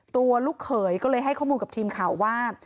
ลูกเขยก็เลยให้ข้อมูลกับทีมข่าวว่า